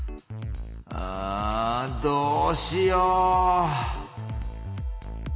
あどうしよう？